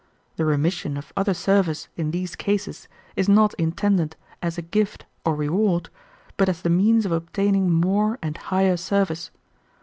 The remission of other service in these cases is not intended as a gift or reward, but as the means of obtaining more and higher service.